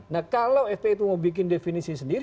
nah kalau fpi itu mau bikin definisi sendiri